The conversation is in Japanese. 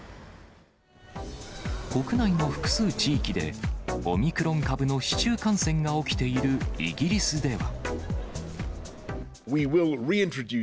国内の複数地域で、オミクロン株の市中感染が起きているイギリスでは。